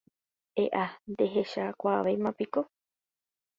E'a, ndachekuaavéimapiko.